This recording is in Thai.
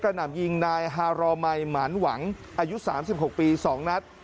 กระหน่ำยิงนายฮารอมัยหมานหวังอายุสามสิบหกปีสองนัด